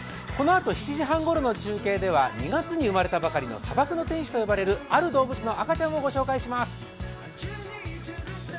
このあと７時半ごろの中継では２月に生まれたばかりの砂漠の天使と呼ばれるある動物の赤ちゃんをご紹介します。